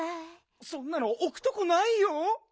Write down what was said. そんなのおくとこないよ。